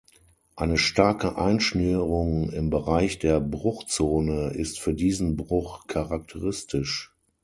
Eine starke Einschnürung im Bereich der Bruchzone ist für diesen Bruch charakteristisch.